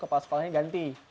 kepala sekolahnya ganti